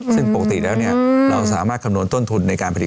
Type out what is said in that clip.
ซึ่งปกติแล้วเราสามารถคำนวณต้นทุนในการผลิต